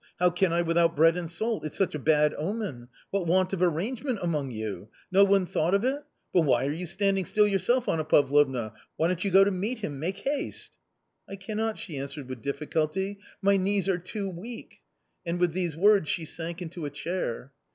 How can I without bread and salt ? It's such a bad omen. What want of arrangement among you ! No one thought of it ! But why are you standing still yourself, Anna Pavlovna ; why don't you go to meet him ? Make haste !"" I cannot," she answered with difficulty, " my knees are too weak." And with these words she sank into a chair.